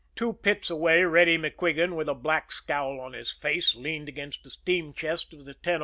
Two pits away, Reddy MacQuigan, with a black scowl on his face, leaned against the steam chest of the 1004.